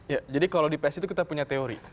ya jadi kalau di psi itu kita punya teori